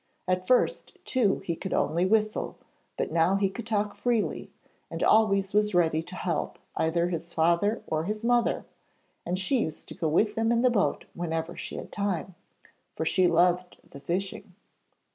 At first, too, he could only whistle, but now he could talk freely, and always was ready to help either his father or his mother, and she used to go with them in the boat whenever she had time, for she loved the fishing.